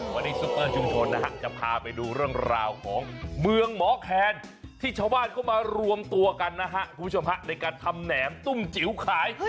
วันนี้ซุปเปอร์ชุมชนนะฮะจะพาไปดูเรื่องราวของเมืองหมอแคนที่ชาวบ้านเขามารวมตัวกันนะฮะคุณผู้ชมฮะในการทำแหนมตุ้มจิ๋วขาย